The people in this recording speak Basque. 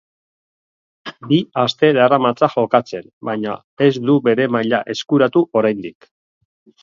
Bi aste daramatza jokatzen, baina ez du bere maila eskuratu oraindik.